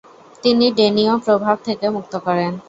তিনি ডেনীয় প্রভাব থেকে মুক্ত করেন।